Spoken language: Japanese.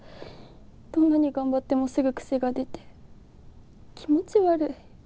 どんなに頑張ってもすぐくせが出て気持ち悪い。